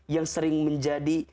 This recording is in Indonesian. yang sering menjadi